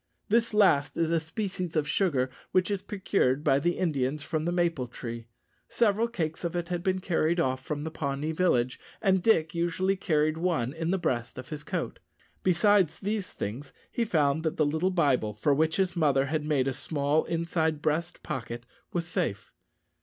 This last is a species of sugar which is procured by the Indians from the maple tree. Several cakes of it had been carried off from the Pawnee village, and Dick usually carried one in the breast of his coat. Besides these things, he found that the little Bible, for which his mother had made a small inside breast pocket, was safe.